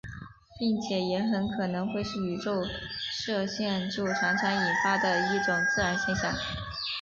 并且也很可能会是宇宙射线就常常引发的一种自然现象。